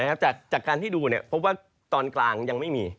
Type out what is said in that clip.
อันนี้จากการที่ดูเพราะว่าตอนกลางยังไม่มี